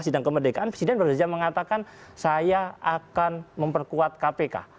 sidang kemerdekaan presiden berada di sidang mengatakan saya akan memperkuat kpk